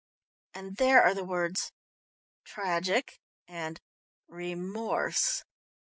and there are the words 'tragic' and 'remorse'."